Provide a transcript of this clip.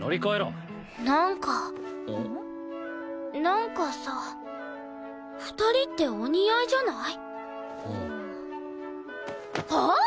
なんかさ２人ってお似合いじゃない？はあ！？